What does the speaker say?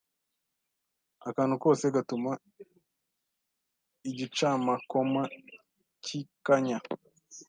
Akantu kose gatuma igicamakoma cyikanya